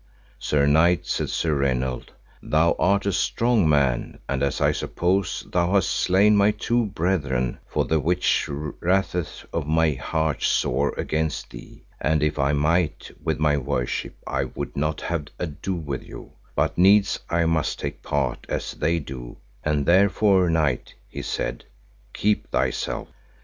Sir knight, said Sir Raynold, thou art a strong man, and as I suppose thou hast slain my two brethren, for the which raseth my heart sore against thee, and if I might with my worship I would not have ado with you, but needs I must take part as they do, and therefore, knight, he said, keep thyself.